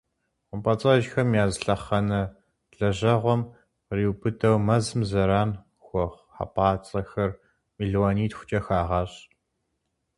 Хъумпӏэцӏэджхэм я зы лъэхъэнэ лэжьэгъуэм къриубыдэу, мэзым зэран хуэхъу хьэпӏацӏэхэр мелуанитхукӏэ хагъэщӏ.